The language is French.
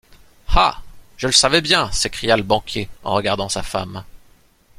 Ah! je le savais bien s’écria le banquier en regardant sa femme.